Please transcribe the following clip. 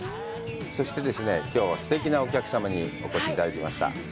そしてですね、きょうはすてきなお客様にお越しいただきました。